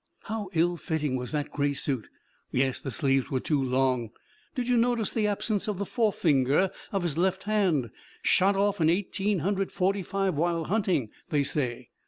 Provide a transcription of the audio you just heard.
"How ill fitting was that gray suit!" "Yes, the sleeves too long." "Did you notice the absence of the forefinger of his left hand shot off in Eighteen Hundred Forty five while hunting, they say."